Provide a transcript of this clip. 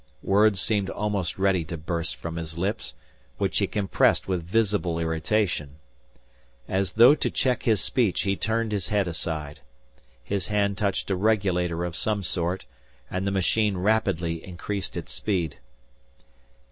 Words seemed almost ready to burst from his lips, which he compressed with visible irritation. As though to check his speech he turned his head aside. His hand touched a regulator of some sort, and the machine rapidly increased its speed.